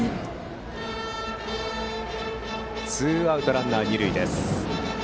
ツーアウトランナー、二塁です。